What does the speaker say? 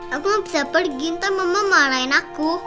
aku gak bisa pergi ntar mama malahin aku